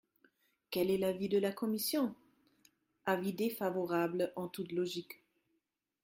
Quel est l’avis de la commission ? Avis défavorable, en toute logique.